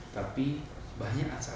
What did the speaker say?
tapi banyak acara acara